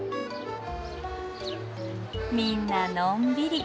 みんなのんびり。